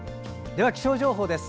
では気象情報です。